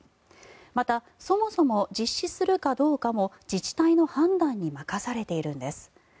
またそもそも実施するかどうかも自治体の判断に任されているんです。